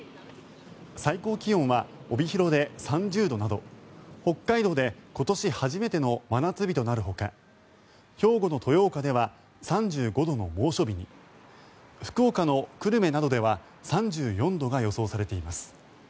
最高気温は帯広で３０度など北海道で今年初めての真夏日となるほか兵庫の豊岡では３５度の猛暑日に福岡の久留米などでは３４度が予想されています。